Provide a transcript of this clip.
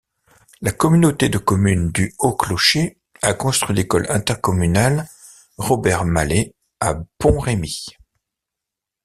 La communauté de communes du Haut-Clocher a construit l'école intercommunale Robert-Mallet à Pont-Remy.